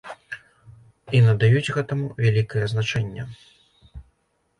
І надаюць гэтаму вялікае значэнне.